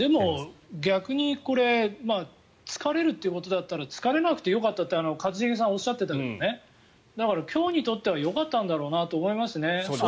逆にこれ疲れるということだったら疲れなくてよかったって一茂さんがおっしゃってたけどだから、今日にとってはよかったんだろうなと思いますね。